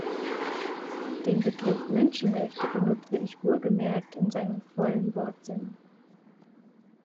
Den Begriff Menschenrechte benutze ich wohlgemerkt in seinem vollen Wortsinn!